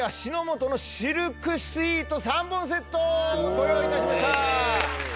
ご用意いたしました。